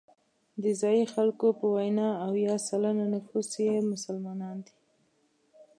د ځایي خلکو په وینا اویا سلنه نفوس یې مسلمانان دي.